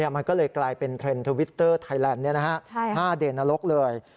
มันก็เลยกลายเป็นเทรนด์ทวิตเตอร์ไทยแลนด์๕เดนนรกเลย